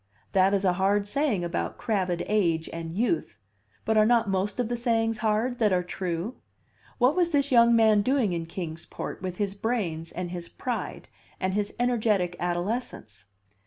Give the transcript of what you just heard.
That is a hard saying about crabbed age and youth, but are not most of the sayings hard that are true? What was this young man doing in Kings Port with his brains, and his pride, and his energetic adolescence?